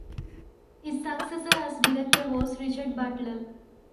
His successor as director was Richard Butler.